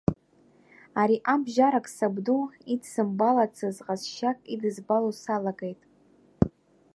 Ари абжьарак сабду идсымбалацыз ҟазшьак идызбало салагеит.